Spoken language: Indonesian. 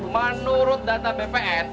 menurut data bpn